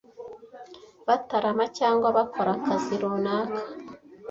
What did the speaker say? batarama cyangwa bakora akazi runaka